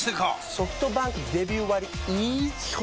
ソフトバンクデビュー割イズ基本